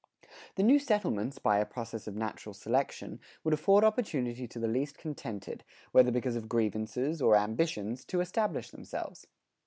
The new settlements, by a process of natural selection, would afford opportunity to the least contented, whether because of grievances, or ambitions, to establish themselves.